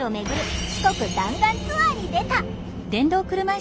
四国弾丸ツアーに出た！